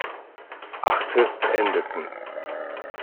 Achte beendeten.